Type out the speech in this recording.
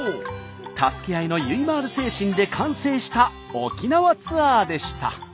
助け合いのゆいまーる精神で完成した沖縄ツアーでした。